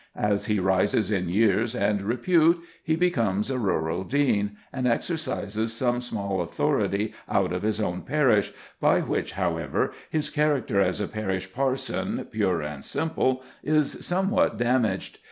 As he rises in years and repute he becomes a rural dean, and exercises some small authority out of his own parish, by which, however, his character as a parish parson, pure and simple, is somewhat damaged.